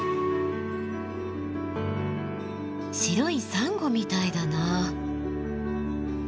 白いサンゴみたいだな。